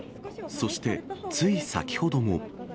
そして、つい先ほども。